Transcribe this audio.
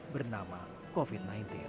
dan nama covid sembilan belas